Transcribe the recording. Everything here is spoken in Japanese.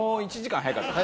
早かったです。